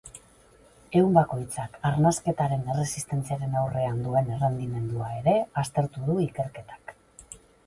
Ehun bakoitzak arnasketaren erresistentziaren aurrean duen errendimendua ere aztertu du ikerketak.